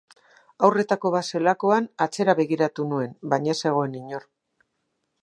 Haurretako bat zelakoan, atzera begiratu nuen baina ez zegoen inor.